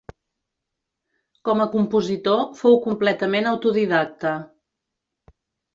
Com a compositor fou completament autodidacte.